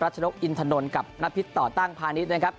ชนกอินทนนกับนพิษต่อตั้งพาณิชย์นะครับ